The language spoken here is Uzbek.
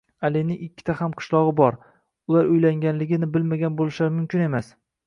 Alining ikkita hamqishlog`i bor, ular uylanganligini bilmagan bo`lishlari mumkin emas